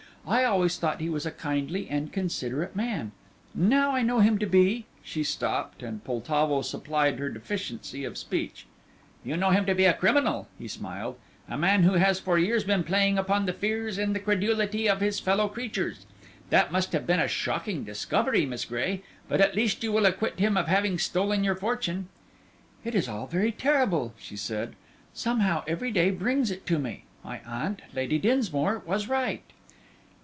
I always thought he was a kindly and considerate man; now I know him to be " She stopped, and Poltavo supplied her deficiency of speech. "You know him to be a criminal," he smiled, "a man who has for years been playing upon the fears and the credulity of his fellow creatures. That must have been a shocking discovery, Miss Gray, but at least you will acquit him of having stolen your fortune." "It is all very terrible," she said; "somehow every day brings it to me. My aunt, Lady Dinsmore, was right."